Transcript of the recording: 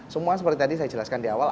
semua seperti tadi saya jelaskan di awal